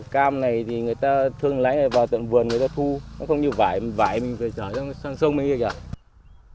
cam này thì người ta thường lấy vào tận vườn người ta thu nó không như vải vải mình phải trở sang sông mình đi được chứ